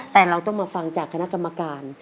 แต่เราต้องมาฟังจากคณะกรรมการ